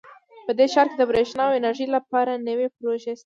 په دې ښار کې د بریښنا او انرژۍ لپاره نوي پروژې شته